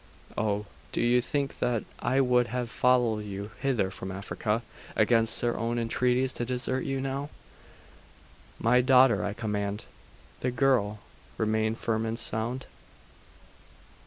Oh do you think that I would have followed you hither from Africa, against your own entreaties, to desert you now?' 'My daughter, I command!' The girl remained firm and sound.